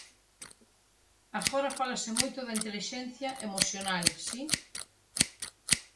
Agora fálase moito da intelixencia emocional, si.